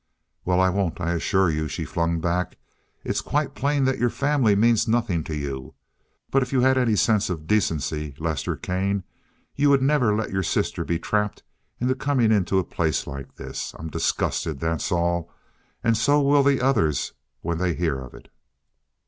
"Well, I won't, I assure you," she flung back. "It's quite plain that your family means nothing to you. But if you had any sense of decency, Lester Kane, you would never let your sister be trapped into coming into a place like this. I'm disgusted, that's all, and so will the others be when they hear of it."